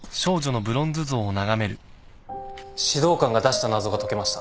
指導官が出した謎が解けました。